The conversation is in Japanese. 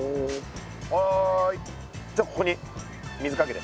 はいじゃあここに水かけて。